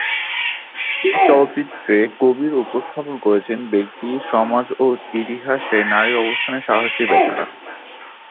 এই চলচ্চিত্রে কবির উপস্থাপন করেছেন ব্যক্তি, সমাজ ও ইতিহাসে নারীর অবস্থানের সাহসী ব্যাখ্যা।